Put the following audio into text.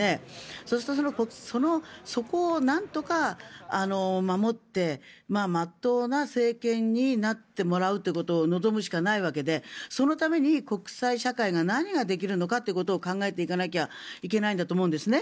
そうするとそこをなんとか守って真っ当な政権になってもらうということを望むしかないわけでそのために国際社会が何ができるのかということを考えていかなきゃいけないんだと思うんですね。